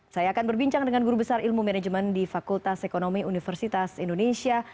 saya akan berbincang dengan guru besar ilmu manajemen di fakultas ekonomi universitas indonesia